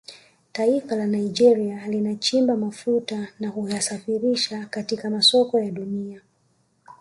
Taifa la Nigeria linachimba mafuta na kuyasafirisha katika masoko ya Dunia